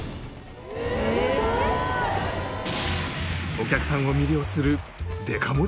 お客さんを魅了するデカ盛り